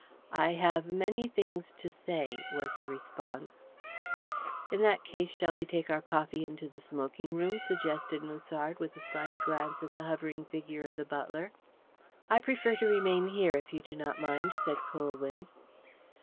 "I have many things to say," was the response. "In that case, shall we take our coffee into the smoking room?" suggested Musard with a slight glance at the hovering figure of the butler. "I prefer to remain here, if you do not mind," said Colwyn.